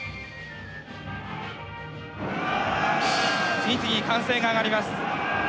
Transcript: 「次々歓声が上がります。